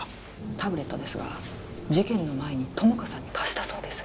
タブレットですが事件の前に友果さんに貸したそうです